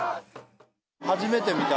初めて見た。